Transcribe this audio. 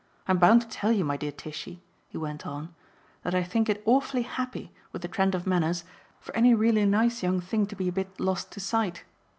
I'm bound to tell you, my dear Tishy," he went on, "that I think it awfully happy, with the trend of manners, for any really nice young thing to be a bit lost to sight.